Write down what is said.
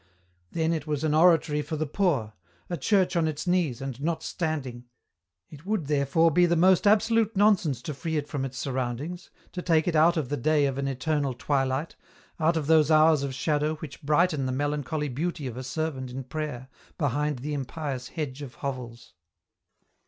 " Then it was an oratory for the poor, a church on its knees, and not standing ; it would, therefore, be the most absolute nonsense to free it from its surroundings, to take it out of the day of an eternal twilight, out of those hours of shadow which brighten the melancholy beauty of a servant in prayer behind the impious hedge of hovels.